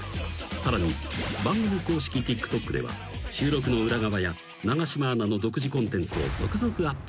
［さらに番組公式ＴｉｋＴｏｋでは収録の裏側や永島アナの独自コンテンツを続々アップ。